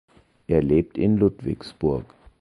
Er lebt in Ludwigsburg.